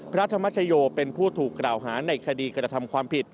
พระธรรมชโยเป็นผู้ถูกกล่าวหาในคดีกระทำความผิด